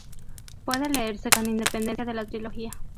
Puede leerse con independencia de la trilogía.